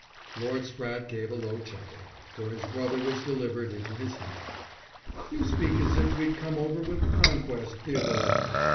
Lord Spratte gave a low chuckle, for his brother was delivered into his hand. "You speak as if we'd come over with the Conquest, Theodore."